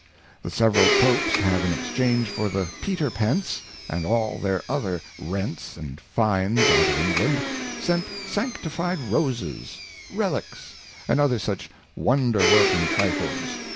The several Popes have in exchange for the Peter Pence, and all their other Rents and Fines out of England, sent sancti fied Roses, Reliques, and other such Wonder working Trifles.